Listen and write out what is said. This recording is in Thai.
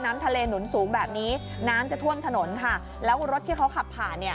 น้ำทะเลหนุนสูงแบบนี้น้ำจะท่วมถนนค่ะแล้วรถที่เขาขับผ่านเนี่ย